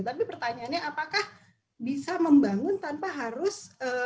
tapi pertanyaannya apakah bisa membangun tanpa harus